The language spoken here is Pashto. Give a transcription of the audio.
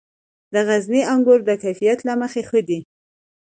د غزني انګور د کیفیت له مخې ښه دي.